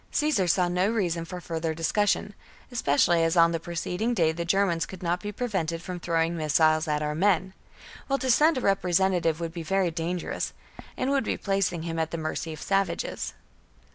Caesar saw no reason for further discussion, especially as on the pre ceding day the Germans could not be prevented from throwing missiles at our men ; while to send a representative would be very dangerous, and would be placing him at the mercy of savages.